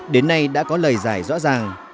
đến nay đã có lời giải rõ ràng